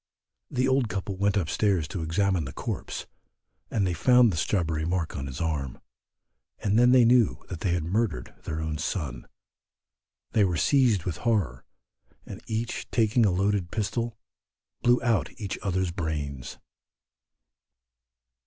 The old couple went up stairs to examine the corpse, and they found the strawberry mark on its arm, and they then knew that they had murdered their own son, they were seized with horror, and each taking a loaded pistol blew out each other's brains.